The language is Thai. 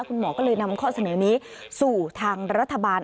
คุณหมอก็เลยนำข้อเสนอนี้สู่ทางรัฐบาล